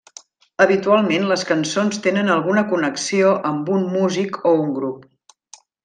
Habitualment les cançons tenen alguna connexió amb un músic o un grup.